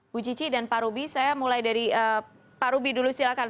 bu cici dan pak ruby saya mulai dari pak ruby dulu silahkan